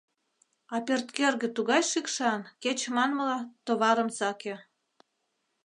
А пӧрткӧргӧ тугай шикшан, кеч, манмыла, товарым саке.